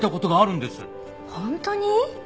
本当に？